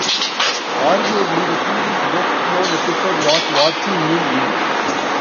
Arguably the series' best-known episode was What You Mean We?